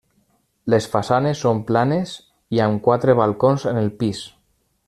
Les façanes són planes i amb quatre balcons en el pis.